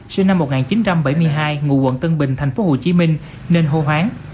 sinh năm một nghìn chín trăm bảy mươi hai ngụ quận tân bình tp hcm nên hô hoáng